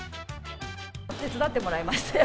手伝ってもらいましたよ。